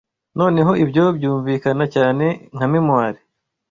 noneho ibyo byumvikana cyane nka memoire